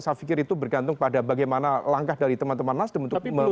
saya pikir itu bergantung pada bagaimana langkah dari teman teman nasdem untuk